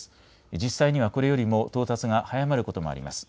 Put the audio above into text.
実際にはこれよりも到達が早まることもあります。